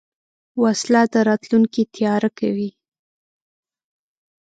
وسله د راتلونکي تیاره کوي